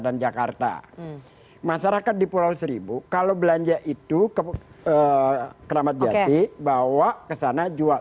dan jakarta masyarakat di pulau seribu kalau belanja itu ke keramat jati bawa kesana jual